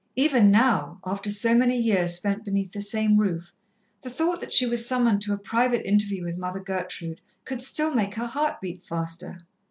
Even now, after so many years spent beneath the same roof, the thought that she was summoned to a private interview with Mother Gertrude could still make her heart beat faster.